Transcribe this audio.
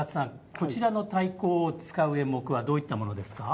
こちらの太鼓を使う演目はどういったものですか。